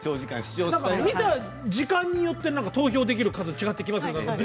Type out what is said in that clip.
見た時間によって投票できる数が違ってきます。